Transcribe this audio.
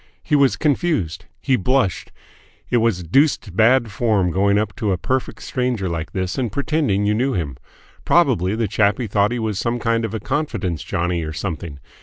He was confused. He blushed. It was deuced bad form going up to a perfect stranger like this and pretending you knew him. Probably the chappie thought he was some kind of a confidence johnnie or something.